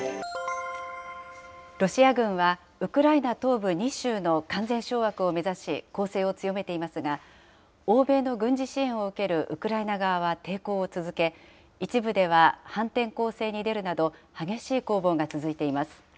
ロシア軍はウクライナ東部２州の完全掌握を目指し、攻勢を強めていますが、欧米の軍事支援を受けるウクライナ側は抵抗を続け、一部では反転攻勢に出るなど、激しい攻防が続いています。